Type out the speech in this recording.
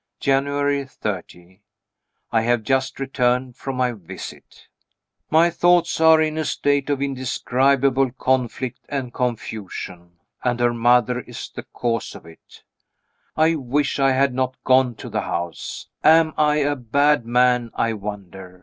January 30. I have just returned from my visit. My thoughts are in a state of indescribable conflict and confusion and her mother is the cause of it. I wish I had not gone to the house. Am I a bad man, I wonder?